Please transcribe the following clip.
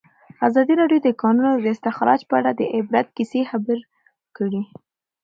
ازادي راډیو د د کانونو استخراج په اړه د عبرت کیسې خبر کړي.